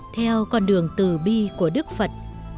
theo con đường tử bi của đức phật